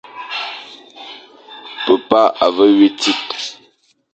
Pepa a ve wui tsit.